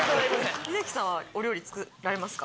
英樹さんはお料理作られますか？